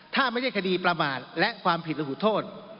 ถ้าไม่ใช่คดีประมาทและความผิดระหูโทษ